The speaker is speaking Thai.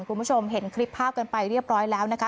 คุณผู้ชมเห็นคลิปภาพกันไปเรียบร้อยแล้วนะคะ